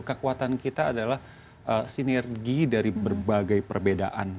kekuatan kita adalah sinergi dari berbagai perbedaan